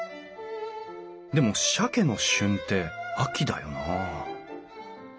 でもしゃけの旬って秋だよな？